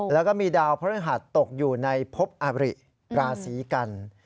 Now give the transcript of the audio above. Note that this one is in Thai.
แล้วก็มีดาวพระฤหัสตกอยู่ในพบอาริราศีกัน